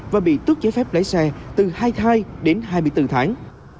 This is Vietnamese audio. và bị tước giải phép lấy xe từ hai thai đến hai mươi bốn tháng